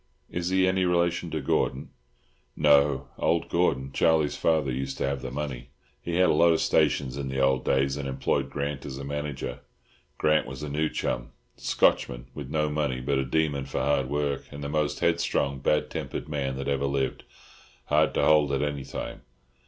Is he any relation to Gordon?" "No; old Gordon—Charlie's father—used to have the money. He had a lot of stations in the old days, and employed Grant as a manager. Grant was a new chum Scotchman with no money, but a demon for hard work, and the most headstrong, bad tempered man that ever lived—hard to hold at any time.